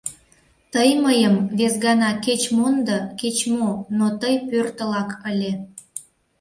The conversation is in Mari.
Тый мыйым вес гана кеч мондо, кеч-мо, но тый пӧртылак ыле.